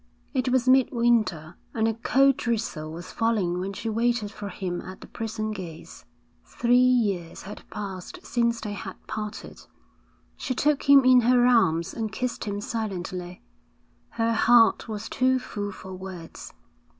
It was midwinter, and a cold drizzle was falling when she waited for him at the prison gates. Three years had passed since they had parted. She took him in her arms and kissed him silently. Her heart was too full for words.